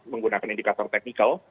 menggunakan indikator teknikal